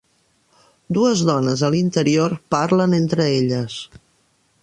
Dues dones a l'interior parlen entre elles.